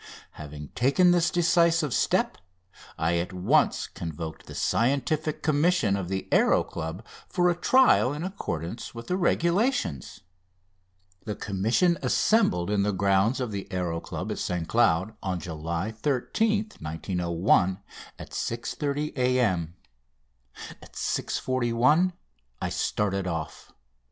Having taken this decisive step I at once convoked the Scientific Commission of the Aéro Club for a trial in accordance with the regulations. The Commission assembled in the grounds of the Aéro Club at St Cloud on July 13th, 1901 at 6.30 A.M. At 6.41 I started off.